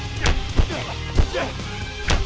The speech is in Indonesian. ih ketika berburu ragamuruh angkat